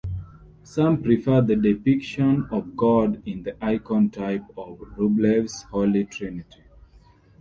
Some prefer the depiction of God in the icon type of Rublev's Holy Trinity.